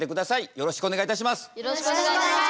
よろしくお願いします。